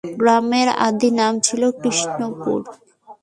গ্রামের আদি নাম ছিল কৃ্ষ্ণপুর।